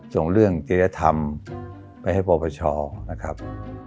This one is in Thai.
ส่งเรื่องเกียรติธรรมไปให้พประชานะครับ